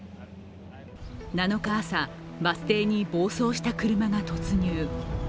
７日朝、バス停に暴走した車が突入。